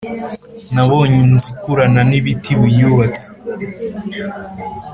Nabonye inzu ikurana nibiti biyubatse